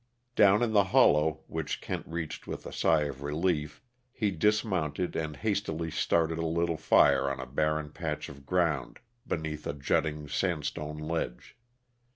Down in the hollow, which Kent reached with a sigh of relief, he dismounted and hastily started a little fire on a barren patch of ground beneath a jutting sandstone ledge.